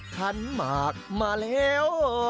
คันหมากมาแล้ว